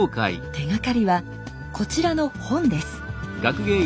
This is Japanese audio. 手がかりはこちらの本です。